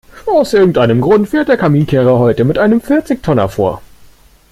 Aus irgendeinem Grund fährt der Kaminkehrer heute mit einem Vierzigtonner vor.